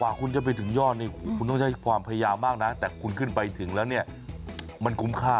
คุณจะไปถึงยอดนี่คุณต้องใช้ความพยายามมากนะแต่คุณขึ้นไปถึงแล้วเนี่ยมันคุ้มค่า